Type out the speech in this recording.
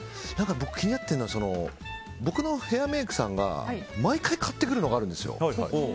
僕、気になっているのは僕のヘアメイクさんが毎回買ってくるのがあるんですよ。